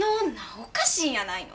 おかしいんやないの？